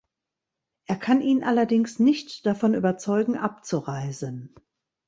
Er kann ihn allerdings nicht davon überzeugen abzureisen.